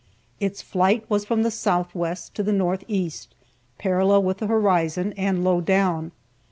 Its flight was from the southwest to the northeast, parallel with the horizon, and low down.